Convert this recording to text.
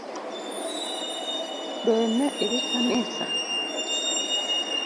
Be ne idhi kanisa?